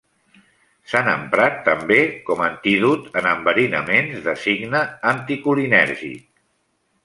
S'han emprat, també, com antídot en enverinaments de signe anticolinèrgic.